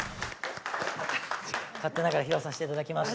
勝手ながら披露させていただきました。